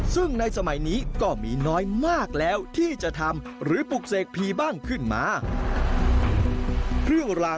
ซึ่งในสมัยนี้ก็มีน้อยมากแล้วที่จะทำหรือปลูกเสกผีบ้างขึ้นมา